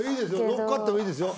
乗っかってもいいですよ